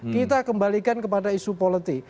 kita kembalikan kepada isu politik